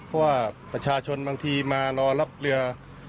เพราะว่าประชาชนบางทีมารอรับเรือ